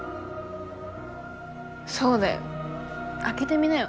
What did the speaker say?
そうだよ開けてみなよ。